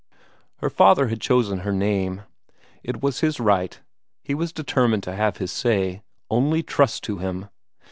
Her father had chosen her name. It was his right; he was determined to have his say only trust to him!